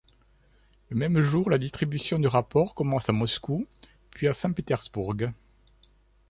Le même jour, la distribution du rapport commence à Moscou, puis à Saint-Pétersbourg.